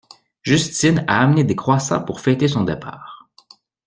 Justine a amené des croissants pour fêter son départ.